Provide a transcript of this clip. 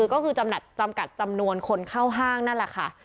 ก็คือจำกัดจำนวนคนเข้าห้างนั่นแหละค่ะ